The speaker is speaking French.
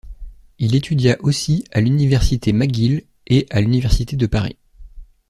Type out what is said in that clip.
Il étudia aussi à l'Université McGill et à l'Université de Paris.